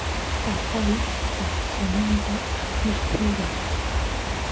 patay taqomanta akush ruwaq